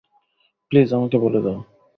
Please আমাকে বলে দাও।